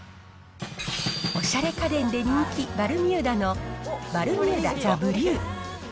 おしゃれ家電で人気、バルミューダのバルミューダザブリュー。